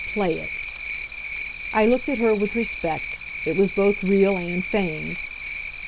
Play it!" I looked at her with respect; it was both real and feigned.